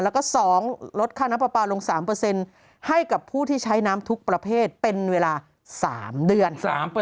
แล้วก็๒ลดค่าน้ำปลาปลาลง๓ให้กับผู้ที่ใช้น้ำทุกประเภทเป็นเวลา๓เดือน